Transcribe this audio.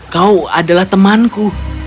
kau adalah temanku